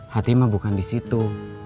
hati mah bukan disitu